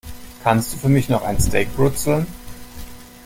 Kannst du für mich noch ein Steak brutzeln?